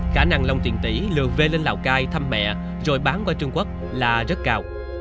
khả năng long tiền tỷ lượt về lên lào cai thăm mẹ rồi bán qua trung quốc là rất cao